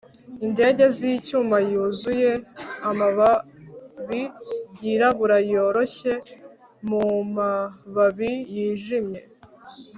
indege z'icyuma yuzuye amababi yirabura yoroshe mumababi yijimye